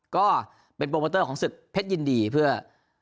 ก็เป็นโปรโมเตอร์ของศึกเพชรยินดีเพื่อ